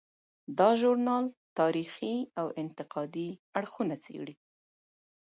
دا ژورنال تاریخي او انتقادي اړخونه څیړي.